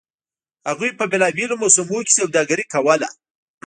هغوی په بېلابېلو موسمونو کې سوداګري کوله